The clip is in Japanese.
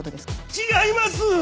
違います！